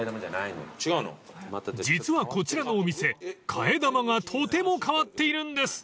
［実はこちらのお店替え玉がとても変わっているんです］